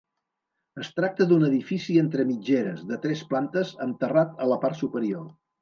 Es tracta d'un edifici entre mitgeres, de tres plantes amb terrat a la part superior.